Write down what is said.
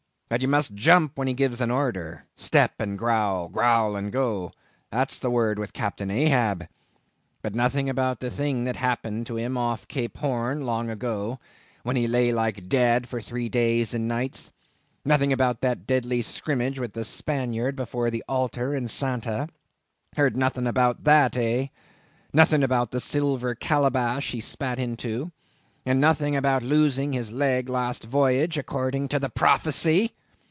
But you must jump when he gives an order. Step and growl; growl and go—that's the word with Captain Ahab. But nothing about that thing that happened to him off Cape Horn, long ago, when he lay like dead for three days and nights; nothing about that deadly skrimmage with the Spaniard afore the altar in Santa?—heard nothing about that, eh? Nothing about the silver calabash he spat into? And nothing about his losing his leg last voyage, according to the prophecy.